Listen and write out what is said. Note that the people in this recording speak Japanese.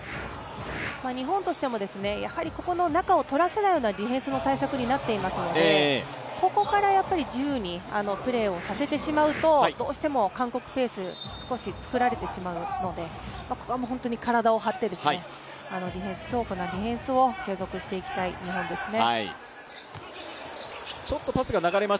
日本としてもここの中を取らせないようなディフェンスの対策になっていますのでここから自由にプレーをさせてしまうと、どうしても韓国ペースを少し作られてしまうので、本当に体を張って強固なディフェンスを継続していきたい日本ですね。